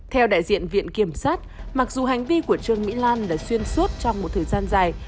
theo đại diện viện kiểm sát mặc dù hành vi của trương mỹ lan là xuyên suốt trong một thời gian dài